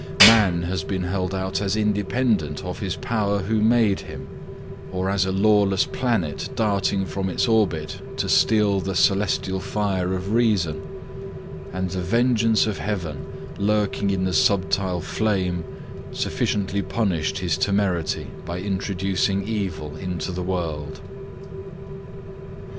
Man has been held out as independent of his power who made him, or as a lawless planet darting from its orbit to steal the celestial fire of reason; and the vengeance of heaven, lurking in the subtile flame, sufficiently punished his temerity, by introducing evil into the world.